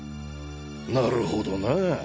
なるほどな。